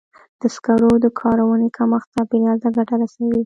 د سکرو د کارونې کمښت چاپېریال ته ګټه رسوي.